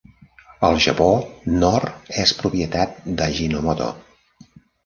Al Japó, Knorr és propietat d'Ajinomoto.